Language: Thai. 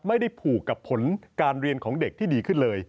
ไม่ได้ผูกกับผลการเรียนของเด็กที่ดีขึ้นเลย